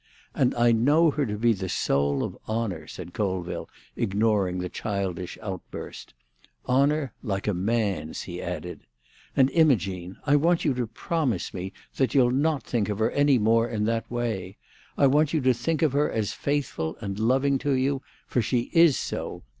"And I know her to be the soul of honour," said Colville, ignoring the childish outburst. "Honour—like a man's," he added. "And, Imogene, I want you to promise me that you'll not think of her any more in that way. I want you to think of her as faithful and loving to you, for she is so.